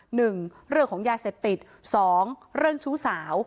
หนึ่งเรื่องของยาเสพติดสองเรื่องชู้สาว